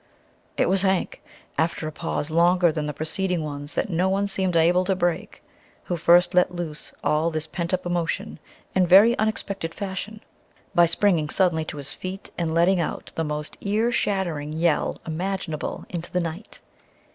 It was Hank, after a pause longer than the preceding ones that no one seemed able to break, who first let loose all this pent up emotion in very unexpected fashion, by springing suddenly to his feet and letting out the most ear shattering yell imaginable into the night.